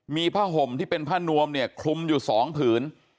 มีผ้าห่มที่เป็นผ้านวมเนี่ยคลุมอยู่๒ผืน